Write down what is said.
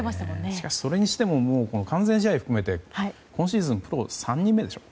しかし、それにしても完全試合を含めて今シーズン、プロ３人目でしょ。